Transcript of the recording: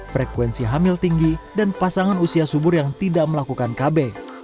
frekuensi hamil tinggi dan pasangan usia subur yang tidak melakukan kb